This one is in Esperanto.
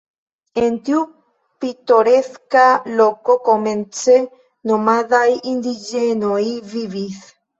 En tiu pitoreska loko komence nomadaj indiĝenoj vivis.